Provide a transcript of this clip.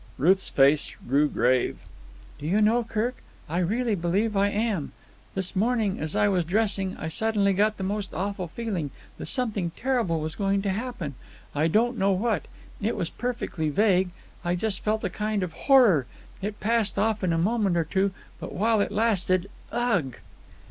Ruth's face grew grave. "Do you know, Kirk, I really believe I am. This morning as I was dressing, I suddenly got the most awful feeling that something terrible was going to happen. I don't know what. It was perfectly vague. I just felt a kind of horror. It passed off in a moment or two; but, while it lasted—ugh!"